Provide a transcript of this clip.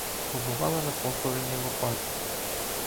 Побувала на похороні Лопати.